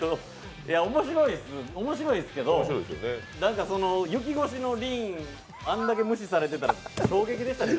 面白いんすけど、雪越しのりん、あんだけ無視されてたら、衝撃ですよ。